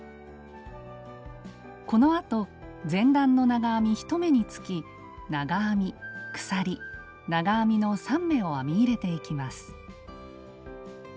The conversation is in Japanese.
このあと前段の長編み１目につき長編み鎖長編みの３目を編み入れていきます。